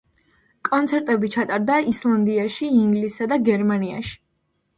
კონცერტები ჩატარდა ისლანდიაში, ინგლისსა და გერმანიაში.